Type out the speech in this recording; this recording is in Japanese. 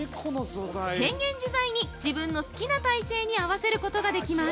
変幻自在に自分の好きな体勢に合わせることができます。